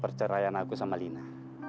perceraian aku sama lina